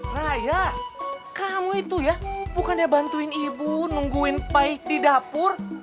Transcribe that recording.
raya kamu itu ya bukannya bantuin ibu nungguin paik di dapur